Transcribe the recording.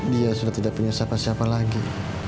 dia sudah tidak punya siapa siapa lagi